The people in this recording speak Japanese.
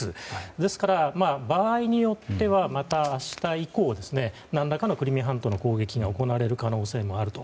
ですから、場合によってはまた明日以降何らかのクリミア半島の攻撃が行われる可能性もあると。